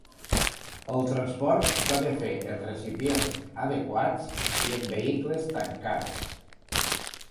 El transport s'ha de fer en recipients adequats i en vehicles tancats.